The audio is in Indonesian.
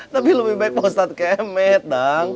tapi lebih baik pak ustadz kemed adang